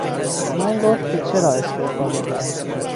به من گفت که چرا استعفا داده است.